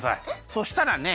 そしたらね